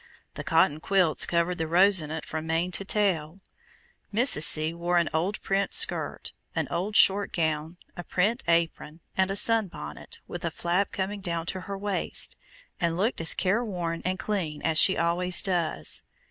The cotton quilts covered the Rosinante from mane to tail. Mrs. C. wore an old print skirt, an old short gown, a print apron, and a sun bonnet, with a flap coming down to her waist, and looked as careworn and clean as she always does.